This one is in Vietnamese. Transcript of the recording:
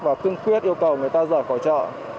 và cương quyết yêu cầu người ta rời khỏi chợ